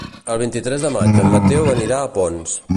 El vint-i-tres de maig en Mateu anirà a Ponts.